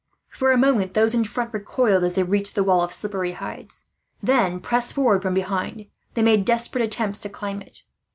For a moment those in front recoiled, as they reached the wall of slippery hides; then, pressed forward from behind, they made desperate attempts to climb it.